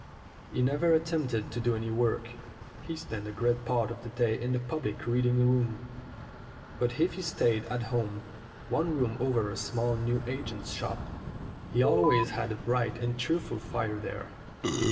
He never at tempt; ed to do any work. He spent a great part of the day in the public reading room. But if he stayed at home one room over a small news agent's shop he always had a bright and cheerful fire there.